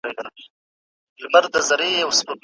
لوی سياست د کوچني سياست په پرتله پراخ دی.